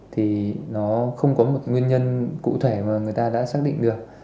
thì nó không có một nguyên nhân cụ thể mà người ta đã xác định được